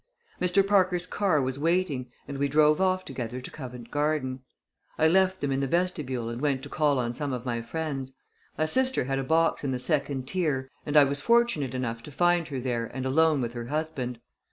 Mr. Parker's car was waiting and we drove together to Covent Garden. I left them in the vestibule and went to call on some of my friends. My sister had a box in the second tier and I was fortunate enough to find her there and alone with her husband.